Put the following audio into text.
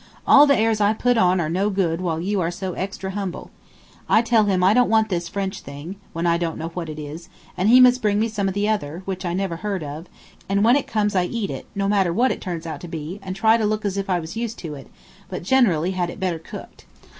All the airs I put on are no good while you are so extra humble. I tell him I don't want this French thing when I don't know what it is and he must bring me some of the other which I never heard of and when it comes I eat it, no matter what it turns out to be, and try to look as if I was used to it, but generally had it better cooked.